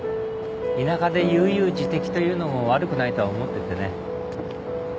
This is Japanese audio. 田舎で悠々自適というのも悪くないとは思っててね。